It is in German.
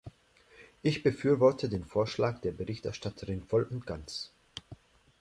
Ich befürworte den Vorschlag der Berichterstatterin voll und ganz.